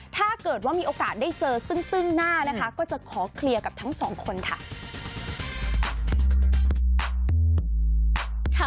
ถ้าเกิดว่ามีโอกาสได้เจอซึ่งหน้านะคะก็จะขอเคลียร์กับทั้งสองคนค่ะ